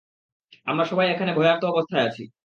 আমরা সবাই এখানে ভয়ার্ত অবস্থায় আছি!